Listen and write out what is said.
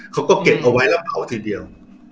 เขาก็เก็บเอาไว้แล้วเผาทีเดียว